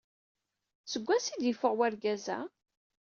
Seg wansi ay d-yeffeɣ wergaz-a?